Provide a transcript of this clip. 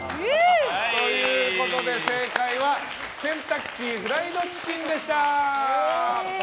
ということで、正解はケンタッキーフライドチキンでした。